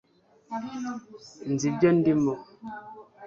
nzi ibyo ndimo